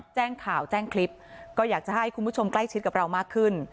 แจ้งข่าวแจ้งคลิปก็อยากจะให้คุณผู้ชมใกล้ชิดกับเรามากขึ้น